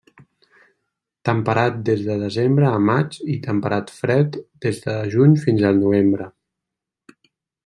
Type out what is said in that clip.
Temperat des de desembre a maig i temperat fred des de juny fins al novembre.